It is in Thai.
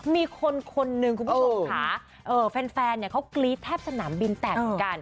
มีคนนึงคุณผู้ชมค่ะแฟนเนี่ยเขากรี๊ดแทบสนามบินแตกกัน